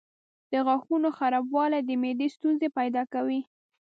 د غاښونو خرابوالی د معدې ستونزې پیدا کوي.